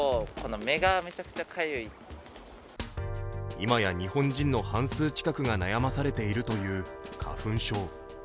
いまや日本人の半数近くが悩まされているという花粉症。